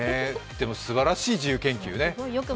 すばらしい自由研究ね。